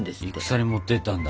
戦に持っていったんだ。